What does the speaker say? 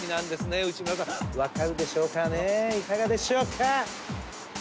いかがでしょうか？